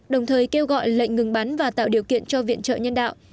đồng thời kêu gọi lệnh ngừng bắn và tạo điều kiện cho viện trợ nhân đạo